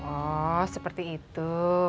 oh seperti itu